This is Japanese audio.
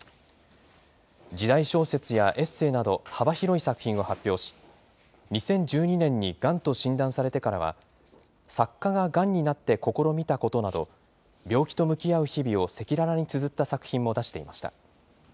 時代小説やエッセイなど、幅広い作品を発表し、２０１２年にがんと診断されてからは、作家がガンになって試みたことなど、病気と向き合う日々を赤裸々につづった作品も出していました。